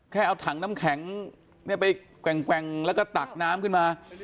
เอาถังน้ำแข็งไปแกว่งแล้วก็ตักน้ำขึ้นมา